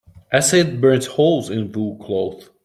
Acid burns holes in wool cloth.